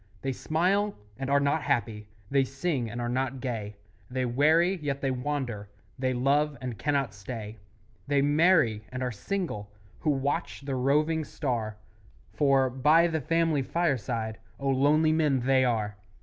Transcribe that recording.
They smile and are not happy; They sing and are not gay; They weary, yet they wander; They love, and cannot stay; They marry, and are single Who watch the roving star, For, by the family fireside, Oh, lonely men they are!